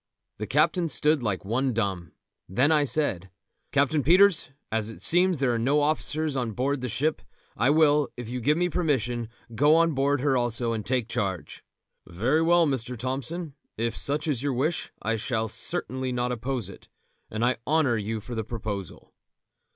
The captain stood like one dumb; then I said: "Captain Peters, as it seems that there are no officers on board the ship, I will, if you will give me permission, go on board her also and take charge." "Very well, Mr. Thompson; if such is your wish I shall certainly not oppose it, and I honour you for the proposal."